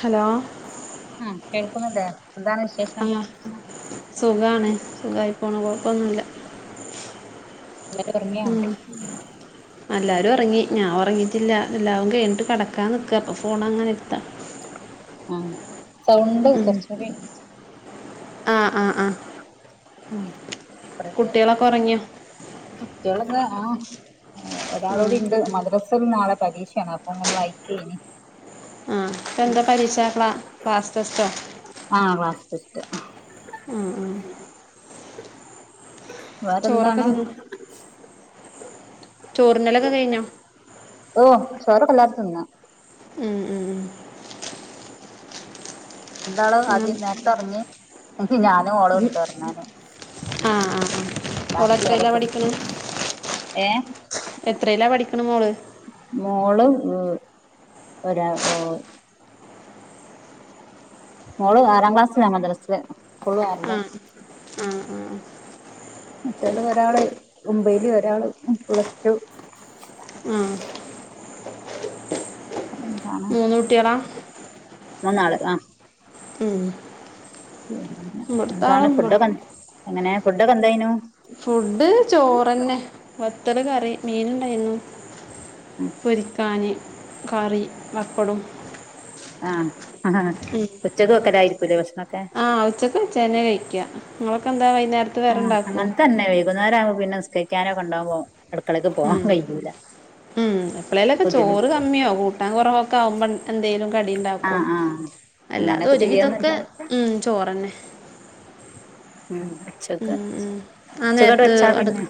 Hello ആ കേൾക്കുന്നില്ലേ എന്താണ് വിശേഷം? ആ പോണ് കൊഴപ്പൊന്നു ഇല്ല എല്ലാരും ഉറങ്ങിയോ ഉം അല്ലാരും ഒറങ്ങി ഞാൻ ഒറങ്ങിട്ടില്ല എല്ലാ ഒ കെഴിഞ്ഞിട്ട് കടക്കാൻ നിക്കാപ്പൊ ഫോണ് അങ്ങനെ ഇട്ത്താ ആഹ് സൗണ്ട് കൊർച്ചൂടി ആ ആ ആ ഉം ഇബെടെ ഇല്ലെ കുട്ടികളൊക്കെ ഉറങ്ങിയോ കുട്ടിയാളൊക്കെ ആ ആ ഒരാളുടി ഇണ്ട് മദ്രസയിൽ നാളെ പരീക്ഷാണ് അപ്പ അങ്ങനെ വായിക്കേനി ഇപ്പ എന്താ പരീക്ഷ ക്ലാ ക്ലാസ് ടെസ്റ്റോ? അഹ് ഉം ഉം ചോറൊക്കെ വേറെന്താണ്? ചോറ്ന്നലൊക്കെ കഴിഞ്ഞോ? ഓ ചോറൊക്കെല്ലാരും തിന്നു ഉം ഉം ഉം രണ്ടാളും എന്നാ, ആദ്യം നേര്ത്തെ ഒർങ്ങി ഇഞി ഞാനും ഓളും ഉം. ഇണ്ട് ഒർങ്ങാന് ഓളെത്രീലാ പഠിക്ക്ണെ? ഏഹ് എത്രെലാ പഠിക്ക്ണ് മോള്? ഓ ഒരാ ഓ മോള് ആറാം ക്ലാസിലാ മദ്രസ്ൽ സ്ക്കൂള്ളും ആറ്ൽ ആ ആ ആ മറ്റോല് ഒരാള് ഒമ്പെയ്ൽ ഒരാൾ പ്ലസ് ടു ആ അതെന്താണ് മൂന്നുട്ട്യാളാ? മൂന്നാൾ ആ ഉം പിന്നെ എന്താണ് ഫുഡൊക്കെ [unintelligible] എങ്ങനെ ഫുഡൊക്കെ എന്തെയ്നു? ഫുഡ് ചോറെന്നെ വത്തല് കറി മീന്ണ്ടായിന്നു പൊരിക്കാന് കറി ബപ്പടും ആഹ് ഹാ ഹാ ഉച്ചക്ക് വെക്കെലാ [unintelligible] ആഹ് ഉച്ചക്ക് വെച്ചനെ കഴിക്കാ ങ്ങൾക്കെന്താ ആഹ് അങ്ങൻത്തന്നെ വൈകുന്നേരം പിന്നെ നിസ്കരിക്കാനോക്കെ ഇണ്ടാവോ ഉം ഉം എപ്പളെലൊക്കെ ബുദ്ധിമുട്ട് ചോറ് കമ്മിയോ കൂട്ടാൻ കോറവൊക്കെ ആവുമ്പം എന്തേലും കടിണ്ടാക്കും. ആഹ് ആഹ് അങ്ങനൊക്കെ അല്ലാതൊരുവിധൊക്കെ ചെയ്യാന്നല്ലാതെ ഉം ചോറെന്നെ. ഉം ഉച്ചക്ക് ഉം ഉം ആ ഉച്ചക്കങ്ങട് നേര്ത്ത് വെച്ചാ പിന്നെ അട്ക്ക്‌.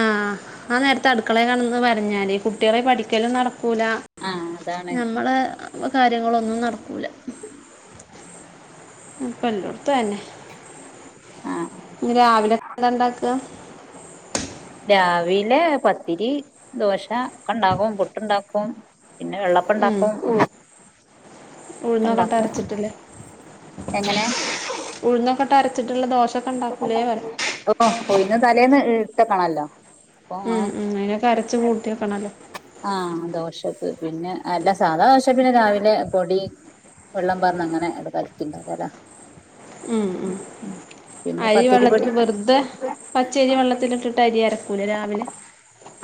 ആഹ് ആ നേര്ത്ത് അട് ക്കളെ കാണെന്ന് പർഞ്ഞാല് കുട്ട്യേളെ പഠിക്കലും നട് കൂല ആഹ് അതാണ് ഞമ്മളെ അപ്പൊ കാര്യങ്ങളൊന്നും നടകൂല്ല. ഉം പ്പല്ലോട്ത്തും അഹന്നെ ആഹ് ഇന്ന് രാവിലെന്താണ്ടാക്ക? രാവിലെ പത്തിരി ദോശ ഒക്കെണ്ടാക്കും പുട്ട്ണ്ടാക്കും. പിന്നെ വെള്ളപ്പണ്ടാക്കും. ഉഴ്ന്നൊക്കെട്ട് അരച്ചിട്ട്ല്ലേ. എങ്ങനെ ഉഴ്ന്നൊക്കെട്ട് അര് ച്ചിട്ടുള്ള ദോശ് ഓഹ് പോയിന്ന് തലേന്ന് [unintelligible] ത്തകണല്ലോ ഉം ഉം അയിനൊക്കെ അരച്ച് കൂട്ടിക്കണല്ലോ. ആഹ് ദോശക്ക് പിന്നെ എല്ല സാധാ ദോശ പിന്നെ രാവിലെ പൊടി വെള്ളം പാർന്നങ്ങനെ ങ്ങട് കൽകിണ്ടാക്കല. ഉം ഉം അരി പത്തിരിപ്പൊടി വെള്ളത്തില് വെർതെ പച്ചരി വെള്ളത്തില്ട്ട് ട്ടരിയര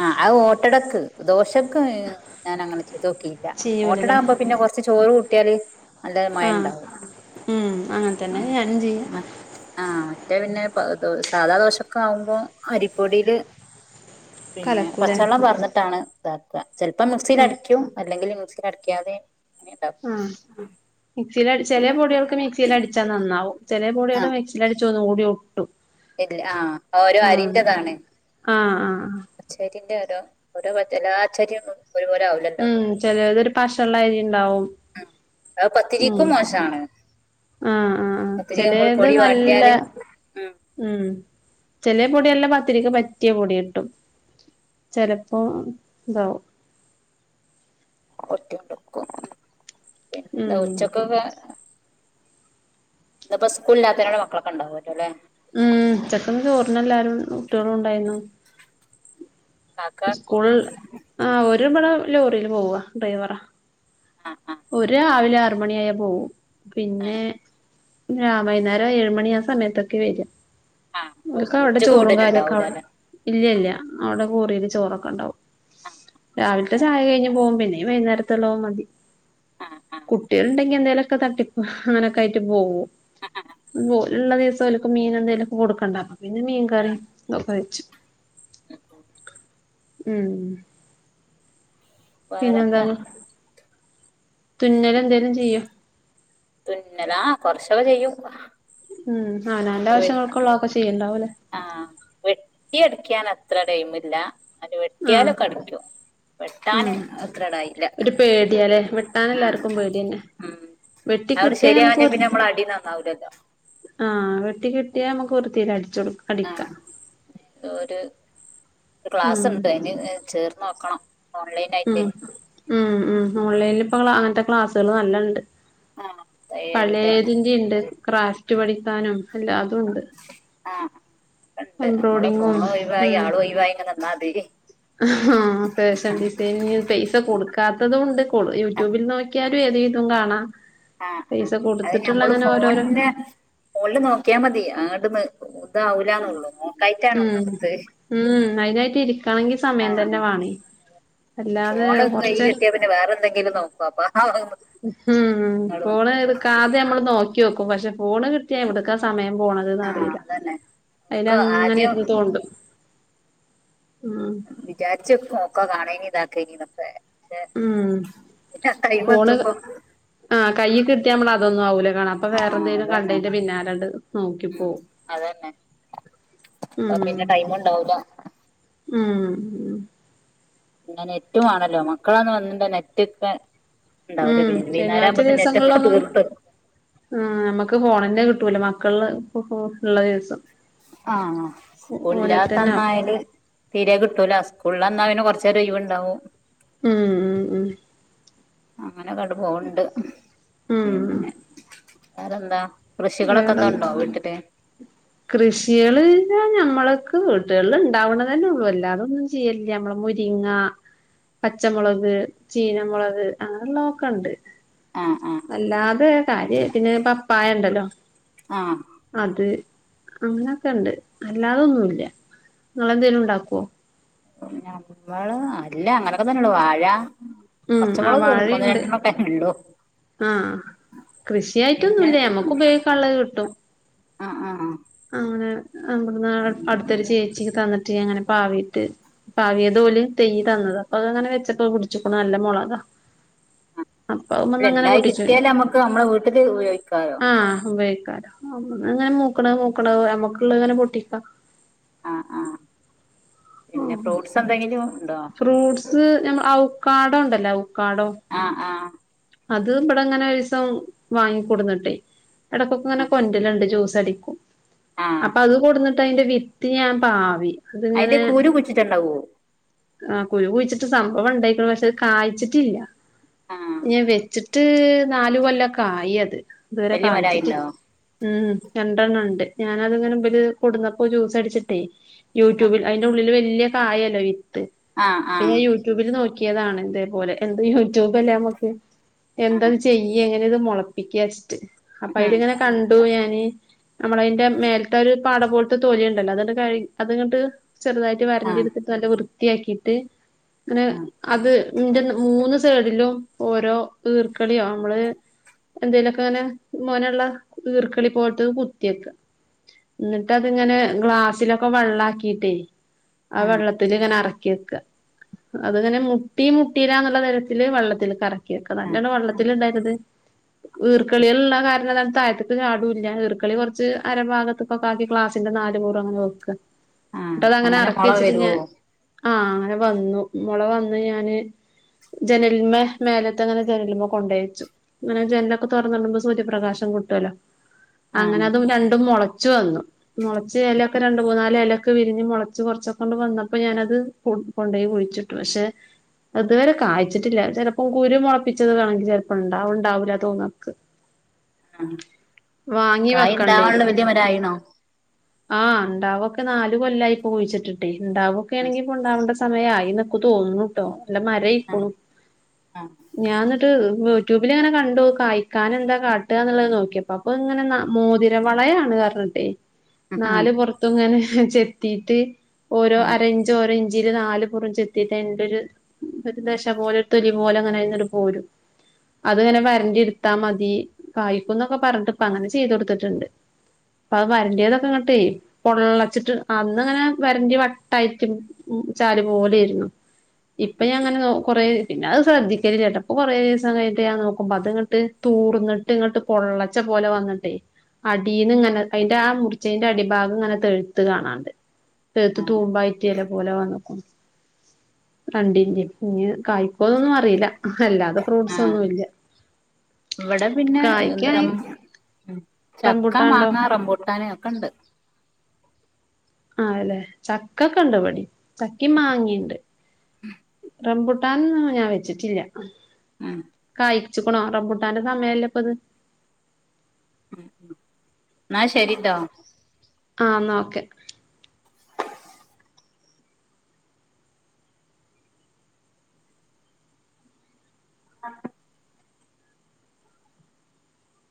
ആഹ് അത് ഓട്ടടക്ക്. ദോശക്ക് ഞാൻ അങ്ങനെ ചെയ്തോക്കീല്ല. ഓട്ടടാവടമ്പം പിന്നെ കൊർച്ച് ചോറ് കൂട്ടിയാല് നല്ല മയം ആഹ് ഉണ്ടാവും ഉം അങ്ങൻതന്നെ ഞാനും ചെയ്യാ. ആഹ് മറ്റേ പിന്നെ പ്പ അയ്ദോ സാധാ ദോശൊക്കെ ആയുമ്പോ അരിപ്പൊടിയിൽ പിന്നെ കലക്കൂലേ പച്ചെള്ളം പാർന്ന്ട്ടാണ് ഇതാ ചിലപ്പോം മിക്സിൽ ഉം, അടിക്കും അല്ലെങ്കിൽ മക്സിയിൽടും ക്കാതെ ആ മിക്സില് ചിലെ പൊടികൾക്ക് മിക്സിൽ അടിച്ചാൽ നന്നാവും ചിലെ പൊടികള് ആഹ് മിക്സിൽ അടിച്ചു ഒന്ന് കൂടി ട്ട് ഇല്ല ആ ഓരോ അരിന്റതാണ് ആഹ് ആഹ് ശതിന്റെ ലൊ ഓരോ പറ്റ [unintelligible] ഉം ചെലൊരു പഷള്ളരി ഇണ്ടാവും അ ഉം പത്തിരിക്കും മോശാണ് ആഹ് ആഹ് ആഹ് പത്തിരി നമ്മള് ചെലേത് പൊടി നല്ല വാട്ടിയാല് ഉം ചെല പൊടി നല്ല പത്തിരിക്ക് പറ്റിയ പൊടി കിട്ടും ചെിലപ്പോ താവും ഓക്കണ്ടക്കു പിന്നെ ഉം ഉച്ചക്കൊക്കെ ഇന്ന്പ്പോ സ്കൂളിലാത്തന കൊണ്ട് മക്കളൊക്കെണ്ടാവല്ലൊ ല്ലെ ഉം ഉച്ചക്കിന്ന് ചോറിനെല്ലാരും കുട്ടികളും ഉണ്ടായിരുന്നു കാക്ക സ്കൂൾ ആ ര്‌വടെ ലോറിൽ പോവാ ഡ്രൈവറ ആഹ് ആഹ് ഒരു രാവിലെ ആറ് മണി ആയാ പോവും പിന്നെ ആഹ് വൈകുന്നേരം ഏഴ്മണി ആ സമയത്തൊക്കെ വരിക ആഹ് അപ്പൊ ഒക്ക അവിടെ ഉച്ചക്ക് ചോറും കാര്യൊക്കെ വിടലുണ്ടാവൂലല്ലേ ഇല്ലല്ല ആഹ് അവിടെ [unintelligible] ചോറൊക്കെ ഉണ്ടാവും ആഹ് ശരി രാവിലത്തെ ചായ കഴിഞ്ഞ് പോകുമ്പന്നെ വൈകുന്നേര എത്തളവ മതി ആഹ് ആഹ് കുട്ടികളുണ്ടെങ്കി [unintelligible] തട്ടിപ്പ് അങ്ങനെക്കെ ആട്ട് പോകോ [unintelligible] ള്ള ദിവസത്തിലൊക്കെ മീനന്തേലൊക്കെ കൊടുക്കണ്ടാലോ പിന്നെ മീൻ കറി നൊക്കെ വെച്ചു ഉം വേറെന്ത തുന്നല എന്തേങ്കലും ചെയ്യ തുന്നലാ കൊറച്ചൊക്കെ ചെയ്യും ഉം ആ വെ നാലാവശ്യങ്ങൾക്കള്ളൊക്കെ ചെയ്യണ്ടാവലേ ആഹ് അത്ര ടൈമില്ല അത് വെട്ടിയാലോ അടിക്കും വെട്ടാൻ ഉം അത്രടായില്ല ഒരു പേടിയാല്ലേ വെട്ടാൻ ആ എല്ലാർക്കും പേടിയന്നെ ഉ വെട്ടി അവര് കിട്ടിയാ നമുക്ക് ശരിയാവഞ്ഞേ വൃ പിന്നെ നമ്മള അടിന്ന് നന്നാവലല്ലോ ആഹ് വെട്ടി കിട്ടിയാൽ നമ്മക്ക് വ്രത്തിയിൽ അടിക്കാം അടിക്കാം ദോര് ഗ്ലാസ് ഉണ്ട് അതിന് ചേർന്ന് നേക്കണം ഉ ഉം ഉ ഓൺലൈനിൽ ഇപ്പോ നിങ്ങൾ അങ്ങനത്തെ ക്ലാസ്സുകൾ നല്ലുണ്ട് ആഹ് തയ്യലിന്റെ പലോതിന്റെഉണ്ട് ഗ്രാഫ് വെട്ടിപഠിക്കാനും അല്ല തും ഉണ്ട് ആ ഉണ്ട് നമ്മള് എംബ്രോയിഡിങ്ങും ഫോണ ഒഴിവായി ആളും ഒഴിവായി അതികം ആഹ ഫാഷൻ ഡിസൈനിംപൈസ പൈസകൊടുക്കാത്തതും ഉണ്ട് യൂട്യൂബിൽ നോക്കിയാലും ഏത് വിതും കാണാം ആ ആ പൈസ അത് കൊടുത്തിട്ടുള്ള ഞമ്മള് അങ്ങനെ ഓരോരോ ഫോണിന്റെ ഫോണില് നോക്കിയാ മതി അണ്ടന്ന് ഇതാവുലാന്ന്ഉള്ള ഉം ഉം അതിനായിട്ട് ഇരിക്കണെങ്കി സമയം തന്നെ വേണേ അല്ലാതെ ഫോണൊക്കെ കൈ കൊറച്ചേരം കിട്ടിയാ പിന്നെ വേറെ എന്തെങ്കിലും നോക്കോപ്പാ ഉം ഫോൺ ഇടുകാതെനമ്മള് നോക്കി നേക്കും പക്ഷേ ഫോണ് കിട്ടിയാ ഇവിടുക്കാ സമയം പോണത് ആഹ് അറിയില്ല അതന്നെ അതിൽ ഒക്കെ അങ്ങനെ ആദ്യം ഇരിന്ന് തോണ്ടും ഉം വിചാരിച്ചക്കും ഒക്കെ കാണെ ഇതാക്കനത്തെ ഉം ഫോണ് എത്തുമ്പോ ആ കയ് കിട്ടയാമ്മള് അതൊന്നും ആവൂല കാണാം മ്മ് മ്ഫോൺ കയ്യിൽ കിട്ടിയാൽ അത് ഒന്നും അവുലാ കണഅപ്പൊ വേറെ ആഹ് എന്തെി. ലും അതന്നെ കണ്ടതിന്റെ പിന്നാലണ്ട് നോക്കിപ്പോ ഉം അതന്നെ ഉ അപ്പൊ പിന്നെ ടൈം ഉണ്ടാവൂല ഉ ഉം ഇന്ന നെറ്റും ആണല്ലോ മക്കളാന്ന് വന്നി നെറ്റ്ക്ക ഇട് ക്കാ ഉം ശനിയാഴ്ച ദിവസങ്ങളിലൊന്നും തീർത്ത് ഉ നമ്മക്ക് ഫോണന്റെ കിട്ടൂല മകൾ മക്കൾ ഫോൺ ആഹ സ്കൂളില ഓലട്ത്തന്നാവും തന്നായല് തീരെ കിട്ടൂല സ്കൂളിൽ നിന്ന് വന്നാൽഅവന് കൊറച്ച് ഉച്ചവരെ ഒഴിവ്ഉണ്ടാവും ഉം ഉം ഉം അങ്ങനെൊക്കണ്ട പോണ്ട് ഉം പിന്നെ ഏറെന്താ കൃഷികളൊക്കെ എന്തോ ണ്ടോ വീട്ടില് കൃഷിയള് ഞാൻ ഞമ്മൾക്ക് വീട്ടുകളില് ണ്ടാവ്ണതെന്നെ ഉള്ളൂ എല്ലാതൊന്നും ചെയ്യൽല്യ. അമ്മളെ മുരിങ്ങ പച്ചമുളക് ചീനമുളക് അങ്ങനെയുള്ളതൊക്കെ ണ്ട് ആഹ് ആഹ് അല്ലാതെ കാര്യ പിന്നെ പപ്പായണ്ടല്ലോ ആഹ് അത് അങ്ങെക്കെണ്ട് അല്ലാതൊന്നുല്ല നിങ്ങളെന്തേലും ണ്ടാക്കോ ഞമ്മള് അല്ല അങ്ങനൊക്കെ തന്നെള്ളു വാഴ ഉം ആ പച്ചമുളക് തീർ ഒന്ന് വാഴയുണ്ട് രണ്ടണ്ണൊക്കെ ഇള്ളു ആഹ് പിന്നെ കൃഷിയായിട്ടൊന്നുല്ല നമ്മക്ക് ഉപയോയിക്ക ള്ളഹ് കിട്ടും ആഹ് ആഹ് അങ്ങ [unintelligible] അടുത്തൊരു ചേച്ചിക് തന്നിട്ട് റ്റി അങ്ങനെ പാവിട്ട് പാവിയത് ഓല് തെയ്യ് തന്നത അപ്പൊ അഹ് അങ്ങനെ വെച്ചപ്പോ അഹ് പിടിച്ചിക്കുണു അല്ല മുളകാ അപ്പൊ അത്മ്മന്ന് ല്ലെ അങ്ങനെ ണ്ടായി പൊട്ടിച്ചു കിട്ടിയാല് അമ്മക്ക് നമ്മളെ വീട്ടില് ഉപയോഗിക്കലൊ ആ അങ്ങനെ മൂക്ണെ മൂക്ണെ മ്മക്ക്‌ള്ളഹ് ങ്ങനെ പൊട്ടിക്ക അ ആഹ് ഓ പിന്നെ ഫ്രൂട്ട്സ് എന്തെങ്കിലും ഉണ്ടോ ഫ്രൂട്ട്സ് ഞമ് ഔ കാട ഉണ്ടല്ല ഔ ആ ആ അത് ഇബടെ ങ്ങനെ ഒരീസം വാങ്ങിക്കൂട്ന്നിട്ടെ ഇടക്കൊക്കെ ങ്ങനെ കൊന്റല്ണ്ട് ജൂസ് സടിക്കും ആഹ് അപ്പൊ അത് കൊടുന്നിട്ട് ട്ട് അയിന്റെ വിത്തി ഞാൻ പാവി അയിന്റെ കൂര് കുയിച്ചിട്ടണ്ടാവോ ആ കുരു കുഴിച്ചിട്ട് സംഭവം ണ്ടായിക്ണ് പക്ഷെ ത് കായിച്ചിട്ടില്ല ആഹ് ഞ വെച്ചിട്ട് റ്റ് നാല് കൊല്ലൊക്കെ ആയി അത് ഇതുവരെ വലിയ കാഴ്ചിട്ടിൽ മരായിണ്ടോ ഉം രണ്ടെണ്ണം ണ്ട് ഞാനത്ങ്ങനെ ബല് കൊട്ന്നപ്പോ ജ്യൂസ് അടിച്ചിട്ടേ യൂട്യൂബിൽ അയിന്റെ ഉള്ളിൽ വൽ ല്യ കായല്ല വി ത്ത് ആഹ് പിന്നെ ആഹ് യൂട്യൂബില് നോക്കി ട്ട്യതാണ് തേപോലെ എന്തെയ്യും റ്റൂബെല്ലെമുക്ക് ആഹ് എന്തന്ന് ചെയ്യ ഞൻ ട്ട്യത് മൊളപ്പിക്ക്യാച് അപ്പൊ ഉം അയിലങ്ങനെ കണ്ടു ഞാന് നമ്മളതിന്റെ മേല്ത്തെ ഒരു പാടപോലത്തെ തോലിയുണ്ടല്ലോ അതണ്ട് കഴി അതങ്ങ്ട്ട് ചെറുതായിട്ട് വരണ്ടി ആഹ് എടുത്തിട്ട് നല്ല വൃത്തി വൃത്തിയാക്കിട്ട് അങ്ങനെ ആഹ് അത് എന്റെ മൂന്ന് സൈഡിലും ഓരോ ഈർക്കളിയോ നമ്മള് എന്തെലൊക്കെ ഇങ്ങനെ മൊനയുള്ള ഈർക്കളി പോലത്തത് കുത്തിയക്കാ എന്നിട്ടതിങ്ങനെ ഗ്ലാസ്സിലൊക്കെ വെള്ളാക്കിട്ടേ ആ ആഹ് വെള്ളത്തിലിങ്ങനെ ഇറക്ക് ക്കിവെക്ക അതിങ്ങനെ മുട്ടീ മുട്ടീലാന്നുള്ള തരത്തില് വെള്ളത്തില് കറ ക്ക് ആഹ് നല്ലതെന്നാ വെള്ളത്തിലിടായിരുന്നത് ഈർക്കളിള്ള കാരണം താഴത്തക്ക് ചാടൂല്ല ഈർക്കളി കുറച്ച് അരഭാഗത്തൊക്കെ ആക്കി ക്ലാസ്സിന്റെ നാല് മൂറ അങ്ങനെ വെക്കുക ആഹ് എന്നിട്ടതങ്ങനെ അങ്ങനെ ഇറക്കി മൊള വെച്ചിട്ടിങ്ങനെ വരുവോ ആ അങ്ങനെ വന്നു മുള വന്ന് ഞാന് ജനലിമ്മേ മേലത്തെങ്ങനെ ജനലിമേ കൊണ്ടോച്ചു അങ്ങനെ ജനലൊക്കെ തുറന്നിടുമ്പോ സൂര്യപ്രകാശം കിട്ടുവല്ലോ അങ്ങനെ ആഹ് അതും രണ്ടും മുള ചുവന്നു മുളച്ച് ഇല ഒക്കെ രണ്ടു മൂന്നുന്നാല് ഇല ഒക്കെ വിരിഞ്ഞു മുളച്ച് കൊറച്ചൊക്കെങ്ങട് വന്നപ്പോ ഞാനത് അത് കൊണ്ടോയി കുഴിച്ചിട്ടു പക്ഷെ അതുവരെ കായ്ച്ചിട്ടില്ല ചിലപ്പോ കുരു മുളപ്പിച്ചത് വേണമെങ്കിൽ ചിലപ്പോ ഉണ്ടാവൊണ്ടാവൂല്ല തോന്നാനെക്ക് ആ കായുണ്ടാവാനുള്ള വലൃ മരായീണോ ആ ഉണ്ടാവൊക്കെ നാല് കൊല്ലായി പൂവിച്ചിട്ടിട്ടേ ഇണ്ടാവ ആഹ് വേണെങ്കി പൊണ്ടാമ്പസ് സമയായി എക്ക് തോന്നണൂട്ടോ നല്ല മരയിക്കണു ആഹ് ഞാ എന്നിട്ട് യൂട്യൂബിലിങ്ങനെ കണ്ടു കായ്ക്കാൻ എന്താ കാട്ടുക എന്നുള്ളത് നോക്കിയപ്പം അപ്പൊ ഇങ്ങനെ ന മോതിരവളയാണറഞ്ഞിട്ടേ ആഹ് നാലു പൊറത്തുങ്ങനെ ചെത്തീട്ട് ഓരോ ആഹ് അറേഞ്ച് ഒരു ഇഞ്ചിയില് നാല് പുറം ചെത്തിട്ട് അയിൻറ്റൊരു ഒരു ദശ പോലെ ഒരു തൊലി പോലെ അങ്ങനെയിങ്ങട് പോരും അതങ്ങനെ വരണ്ടി എടുത്താ മതി കായിക്കുന്നൊക്കെ പറരണ്ടി പ്പ അങ്ങനെ ചെയ്തോടുത്തിട്ടുണ്ട് അപ്പ അ വരണ്ടിയതൊക്കെ ഇങ്ങട്ടെ പൊള്ളച്ചിട്ട് അന്നങ്ങനെ വരണ്ടി വട്ടായി ചാരി പോലെയിരുന്നു ഇപ്പൊ ഞാ അങ്ങനെ കൊറേ പിന്നെ അത് ശ്രദ്ധിക്കലില്ല കേട്ടപ്പൊ കൊറേ ദിവസം കഴിഞ്ഞട്ട് ഞാൻ നോക്കുമ്പ അത് ഇങ്ങോട്ട് തൂർന്നിട്ട് ഇങ്ങോട്ട് പൊള്ളച്ച പോലെ വന്നിട്ടെ അടീന്ന് ഇങ്ങനെ അതിന്റെ ആ മുറിച്ചേന്റെ അടിഭാഗം ഇങ്ങനെ തെഴുത്ത് കാണാണ്ട് പേത്ത് തൂമ്പായി ഇതേ പോലെ വന്നു [unintelligible] കായ്ക്കോന്നൊന്നും അറിയില്ല അല്ലാതെ ഫ്രൂട്ട്സ് ആഹ് ഒന്നും ഇല്ല ഇവിടെ പിന്നെ എന്ത് കായ്ക്കാണെ റം ഉം. ചക്ക റംമ്പുട്ടാന്ണ്ടോ മാങ്ങ റംബൂട്ടാന് ഒക്കെ ഉണ്ട് ആവലേ ചക്കക്കെണ്ട് ഇവടിം ചക്കിം മാങ്ങീംണ്ട്. റംപുട്ടാനൊന്നും ഞാൻ വെച്ചിട്ടില്ല്യ. ഉം കായി വെച്ച്ക്ക്ണോ റംബൂട്ടാന്റെ സമയല്ലേ ഇപ്പത്. ഉം ഉം ഇന്നാ ശരി ട്ടോ. ആഹ് ന്നാ ഓക്കെ. ആഹ്